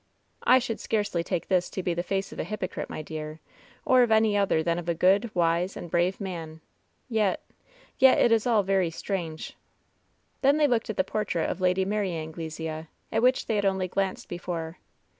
'' "I should scarcely take this to be the face of a hypo crite, my dear, or of any other than of a good, wise and brave man ; yet — ^yet it is all very strange.^' Then they looked at the portrait of Lady Mary Angle sea, at which they had only glanced before.